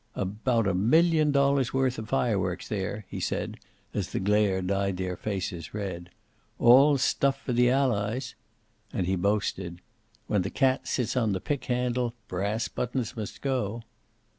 "About a million dollars' worth of fireworks there," he said, as the glare dyed their faces red. "All stuff for the Allies." And he boasted, "When the cat sits on the pickhandle, brass buttons must go."